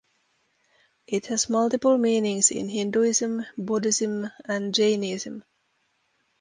It has multiple meanings in Hinduism, Buddhism, and Jainism.